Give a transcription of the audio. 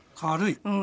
うん。